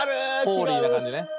ホーリーな感じね。